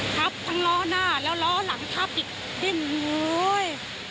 ขับทางล้อหน้าแล้วล้อหลังขับอีกด้วย